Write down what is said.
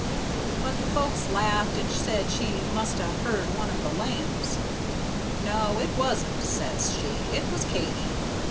But the folks laughed, and said she must ha' heard one of the lambs. 'No, it wasn't,' says she, 'it was Katy.'